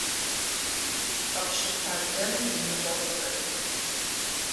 Къэпщыпа дэм и ныкъуэр къызэт!